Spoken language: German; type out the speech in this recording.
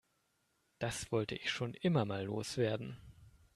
Das wollte ich schon immer mal loswerden.